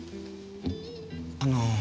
あの。